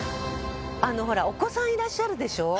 あのほらお子さんいらっしゃるでしょ？